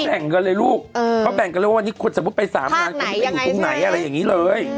แบ่งกันเลยลูกเขาแบ่งกันเลยว่าวันนี้คนสมมุติไป๓ล้านคุณไม่ได้อยู่ตรงไหนอะไรอย่างนี้เลย